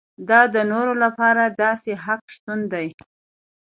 دا د نورو لپاره د داسې حق شتون دی.